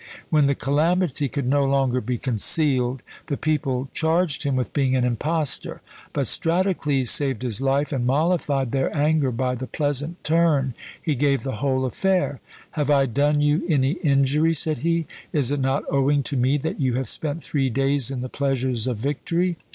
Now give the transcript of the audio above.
When the calamity could no longer be concealed, the people charged him with being an impostor: but Stratocles saved his life and mollified their anger by the pleasant turn he gave the whole affair. "Have I done you any injury?" said he. "Is it not owing to me that you have spent three days in the pleasures of victory?"